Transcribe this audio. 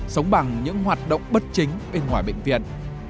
sống bằng những hoạt động bất chính bên ngoài bệnh viện